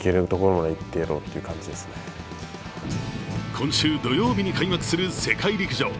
今週土曜日に開幕する世界陸上。